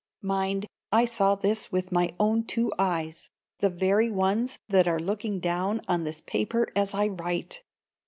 Mind, I saw this with my own two eyes, the very ones that are looking down on this paper as I write.